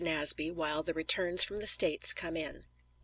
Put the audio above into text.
Nasby while the returns from the States come in.